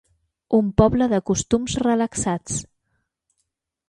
Un poble de costums relaxats.